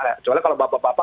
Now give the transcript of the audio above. kecuali kalau bapak bapak